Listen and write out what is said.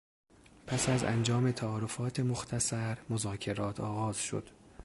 پس از انجام تعارفات مختصر مذاکرات آغاز شد.